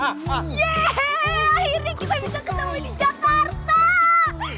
akhirnya kita bisa ketemu di jakarta